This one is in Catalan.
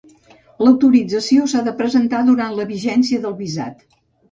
L'autorització s'ha de presentar durant la vigència del visat.